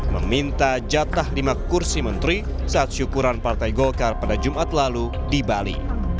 meminta jatah lima kursi menteri saat syukuran partai golkar pada jumat lalu di bali